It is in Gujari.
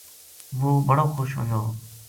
وہ بڑو خوش ہویو